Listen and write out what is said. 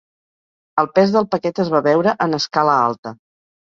El pes del paquet es va veure en escala alta.